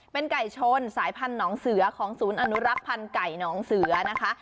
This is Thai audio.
เป็นไก่ชนสายพันธองเสือของศูนย์อนุรักษ์พันธ์ไก่หนองเสือนะคะ